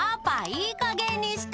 いいかげんにして」